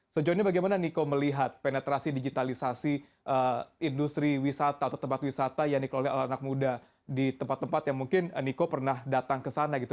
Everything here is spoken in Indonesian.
sejauh ini bagaimana niko melihat penetrasi digitalisasi industri wisata atau tempat wisata yang dikelola oleh anak muda di tempat tempat yang mungkin niko pernah datang ke sana gitu